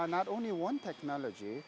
tidak hanya ada satu teknologi